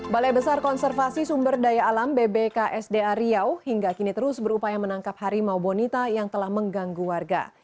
balai besar konservasi sumber daya alam bbksda riau hingga kini terus berupaya menangkap harimau bonita yang telah mengganggu warga